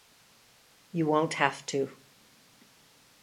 You won't have to.